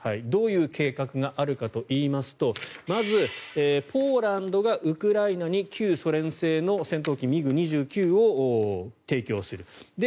どういう計画があるかといいますとまず、ポーランドがウクライナに旧ソ連製の戦闘機ＭｉＧ２９戦闘機を提供する。